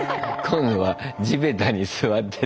今度は地べたに座って。